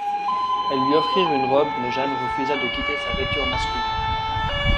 Elles lui offrirent une robe, mais Jeanne refusa de quitter sa vêture masculine.